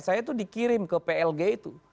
saya itu dikirim ke plg itu